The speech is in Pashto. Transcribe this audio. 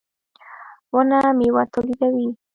• ونه مېوه تولیدوي.